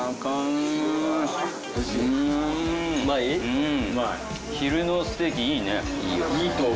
うん！